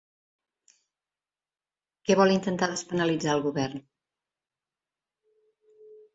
Què vol intentar despenalitzar el govern?